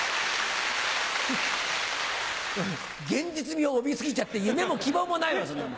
現実味を帯び過ぎちゃって夢も希望もないわそんなもん。